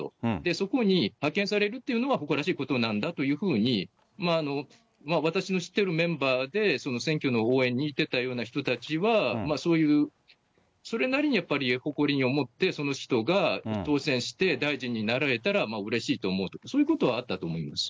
そこに派遣されるというのは誇らしいことなんだというふうに、私の知ってるメンバーで選挙の応援に行ってたような人たちは、それなりにやっぱり誇りに思って、その人が当選して、大臣になられたらうれしいと思う、そういうことはあったと思います。